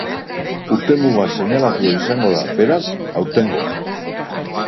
Urtemuga seinalatua izango da, beraz, aurtengoa.